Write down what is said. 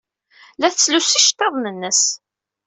La tettlusu iceḍḍiḍen-nnes.